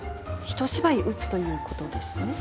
一芝居打つということですね？